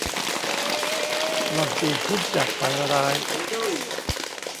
หล่อนตื่นขึ้นจากฝันร้าย